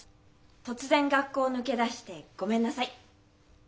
突然学校を抜け出してごめんなさい。